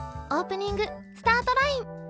オープニング「スタートライン」。